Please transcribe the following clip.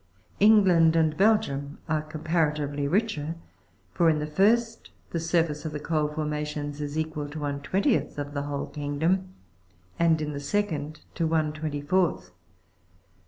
England and Belgium are comparatively richer, for in the first the surface of the coal forma tion is equal to one twentieth of the whole kingdom, and in the second to one tAventy fourth.